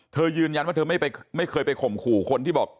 เธอยืนยันว่าเธอไม่เคยไปข่มขู่คนที่บอก